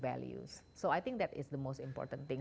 jadi saya pikir itu adalah hal yang paling penting